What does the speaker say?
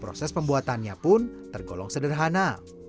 proses pembuatannya pun tergolong sederhana